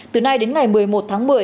từ nay đến ngày một mươi một tháng một mươi